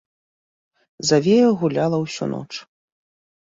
Завея гуляла ўсю ноч.